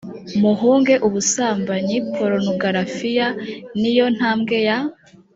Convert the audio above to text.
muhunge ubusambanyi porunogarafiya ni yo ntambwe ya